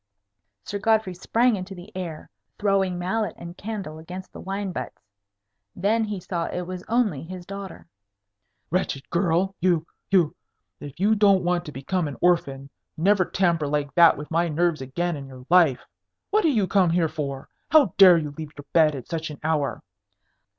Sir Godfrey sprang into the air, throwing mallet and candle against the wine butts. Then he saw it was only his daughter. "Wretched girl! you you if you don't want to become an orphan, never tamper like that with my nerves again in your life. What are you come here for? How dare you leave your bed at such an hour?"